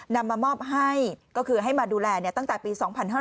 นำมามอบให้ก็คือให้มาดูแลตั้งแต่ปี๒๕๕๙